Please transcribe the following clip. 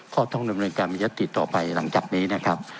ข้อต้องเริ่มเรียนการมียัตติต่อไปหลังจากนี้นะครับ